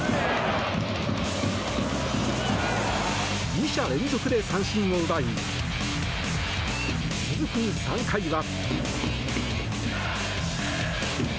２者連続で三振を奪い続く３回は。